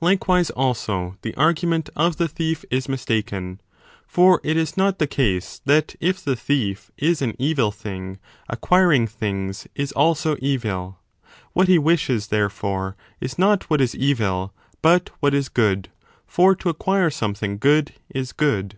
Likewise also the argument of the thief is mistaken. For it is not the case that if the thief is an evil thing, acquir ing things is also evil : what he wishes, therefore, is not what is evil but what is good ; for to acquire something 20 good is good.